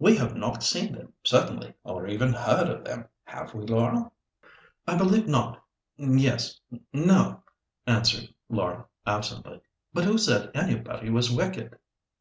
We have not seen them, certainly, or even heard of them, have we, Laura?" "I believe not—yes—no," answered Laura, absently. "But who said anybody was wicked?"